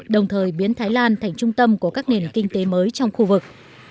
đồng thời biến thái lan thành trung tâm của các nền kinh tế mới trong khu vực